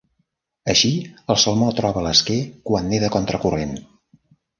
Així, el salmó troba l'esquer quan neda contracorrent.